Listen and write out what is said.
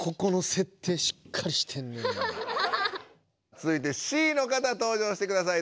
つづいてＣの方登場してください。